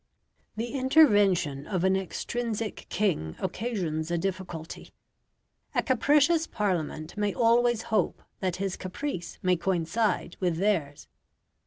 The intervention of an extrinsic king occasions a difficulty. A capricious Parliament may always hope that his caprice may coincide with theirs.